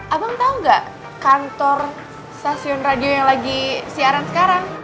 abang tahu nggak kantor stasiun radio yang lagi siaran sekarang